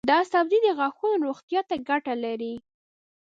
دا سبزی د غاښونو روغتیا ته ګټه لري.